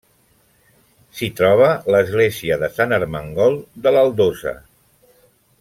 S'hi troba l'església de Sant Ermengol de l'Aldosa.